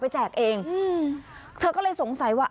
อันนี้ก็เป็นสิ่งที่เราไม่ได้รู้สึกว่า